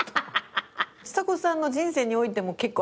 ちさ子さんの人生においても結構暗黒期だよね。